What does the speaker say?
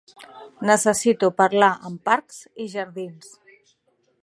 Necessito parlar amb Parcs i Jardins.